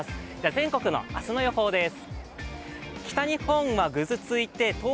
全国の明日の予報です。